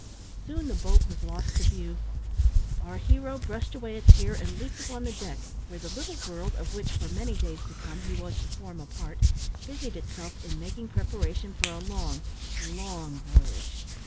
Soon the boat was lost to view. Our hero brushed away a tear, and leaped upon the deck, where the little world, of which for many days to come he was to form a part, busied itself in making preparation for a long, long voyage.